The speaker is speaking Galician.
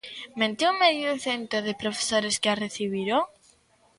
Mente o medio cento de profesores que a recibiron?